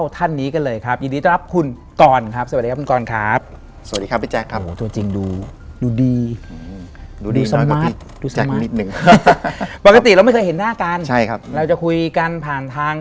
แต่ว่าคนในบ้านนะ